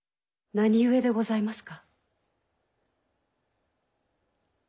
何故でございますか！